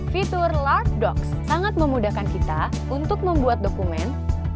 fitur lark docs sangat memudahkan kita untuk membuat dokumen